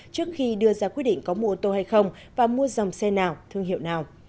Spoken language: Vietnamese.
trước khi đưa ra quyết định có mua ô tô hay không và mua dòng xe nào thương hiệu nào